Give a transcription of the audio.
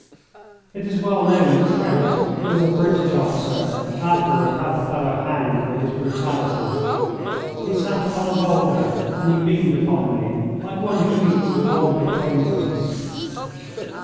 It is well known that Trent, who was a British officer, afterward had the fellow hanged for his brutalities. He sat upon a boulder and he beamed upon me like one who meets an old acquaintance.